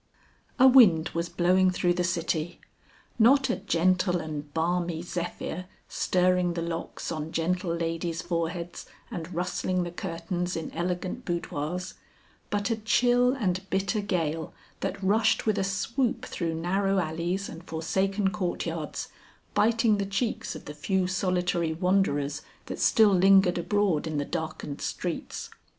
A wind was blowing through the city. Not a gentle and balmy zephyr, stirring the locks on gentle ladies' foreheads and rustling the curtains in elegant boudoirs, but a chill and bitter gale that rushed with a swoop through narrow alleys and forsaken courtyards, biting the cheeks of the few solitary wanderers that still lingered abroad in the darkened streets.